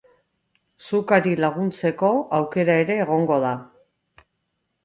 Sukari laguntzeko aukera ere egongo da.